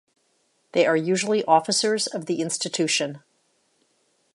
They are usually officers of the institution.